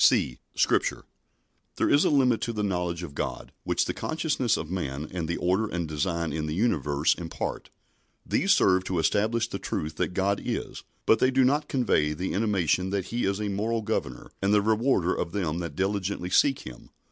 (c) (Scripture) There is a limit to the knowledge of God which the consciousness of man and the order and design in the universe impart. These serve to establish the truth that God is, but they do not convey the intimation that He is a moral Governor and the rewarder of them that diligently seek Him.